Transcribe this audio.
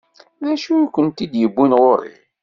D acu i kent-id-iwwin ɣur-i?